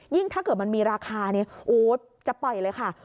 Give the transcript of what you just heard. ถ้าเกิดมันมีราคานี้จะปล่อยเลยค่ะ